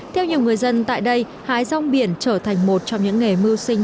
theo nhiều người dân tại đây hái rong biển trở thành một trong những nghề mưu sinh